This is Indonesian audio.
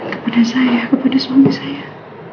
kepada saya kepada semuanya sayang